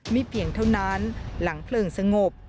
เพียงเท่านั้นหลังเพลิงสงบ